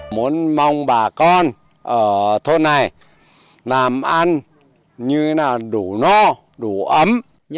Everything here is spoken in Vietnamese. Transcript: muốn mong bà con ở thôn này làm ăn như là đủ no đủ ấm